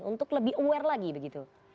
untuk lebih aware lagi begitu